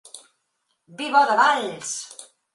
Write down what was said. Vi bo de Valls!